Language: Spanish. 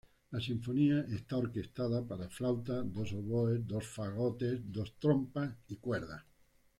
La sinfonía está orquestada para flauta, dos oboes, dos fagotes, dos trompas y cuerdas.